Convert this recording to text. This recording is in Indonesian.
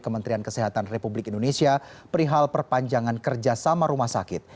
kementerian kesehatan republik indonesia perihal perpanjangan kerjasama rumah sakit